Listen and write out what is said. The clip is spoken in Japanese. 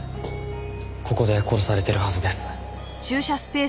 ここで殺されてるはずです。